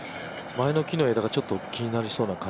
前の木の枝がちょっと気になりそうだね。